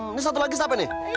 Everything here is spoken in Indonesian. ini satu lagi siapa nih